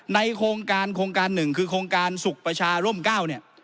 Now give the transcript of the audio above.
โครงการโครงการหนึ่งคือโครงการสุขประชาร่ม๙เนี่ย